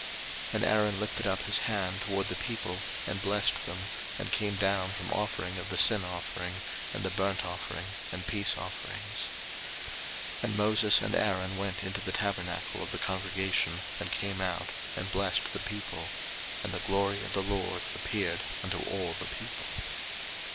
03:009:022 And Aaron lifted up his hand toward the people, and blessed them, and came down from offering of the sin offering, and the burnt offering, and peace offerings. 03:009:023 And Moses and Aaron went into the tabernacle of the congregation, and came out, and blessed the people: and the glory of the LORD appeared unto all the people.